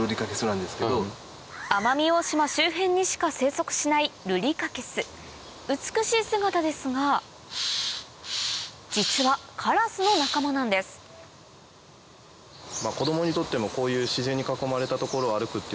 奄美大島周辺にしか生息しない美しい姿ですが実はカラスの仲間なんですうん。